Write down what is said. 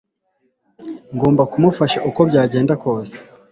ngomba kumufasha uko byagenda kose